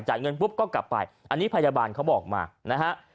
เงินปุ๊บก็กลับไปอันนี้พยาบาลเขาบอกมานะฮะ